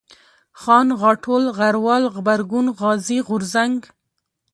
خان ، غاټول ، غروال ، غبرگون ، غازي ، غورځنگ